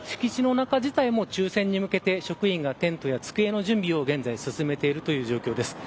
敷地の中自体も抽選に向けて職員がテントや机の準備を進めているという状況です。